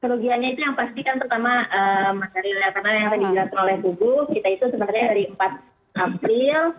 kerugiannya itu yang pasti kan pertama masyarakatnya yang tadi diberi penolakan buku